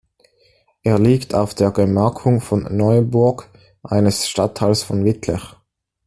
Er liegt auf der Gemarkung von Neuerburg, eines Stadtteils von Wittlich.